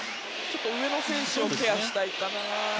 上の選手をケアしたいかな。